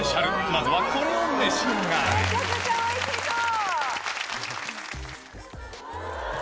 まずはこれを召し上がれめちゃくちゃおいしそう！